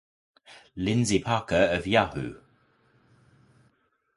Lyndsey Parker of Yahoo!